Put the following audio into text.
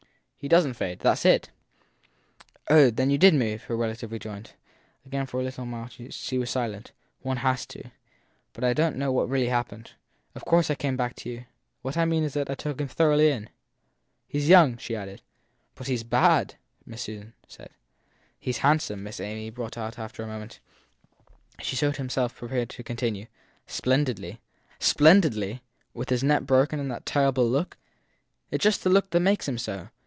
He doesn t fade. That s it. 9 Oh, then you did move ! her relative rejoined. Again for a little she was silent. One has to. But I don t know what really happened. Of course I came back to you. What I mean is that I took him thoroughly in. He s young, she added. But he s bad! said Miss Susan. He s handsome! Miss Amy brought out after a moment. And she showed herself even prepared to continue : Splen didly. " Splendidly "! with his neck broken and with that terrible look? It s just the look that makes him so.